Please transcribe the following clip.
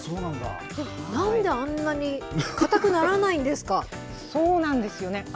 なんであんなに硬くならないそうなんですよね。